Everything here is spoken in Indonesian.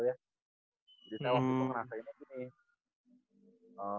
jadi saya waktu itu ngerasainnya gini